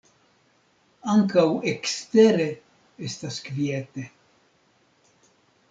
Ankaŭ ekstere estas kviete.